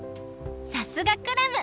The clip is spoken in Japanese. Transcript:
さすがクラム！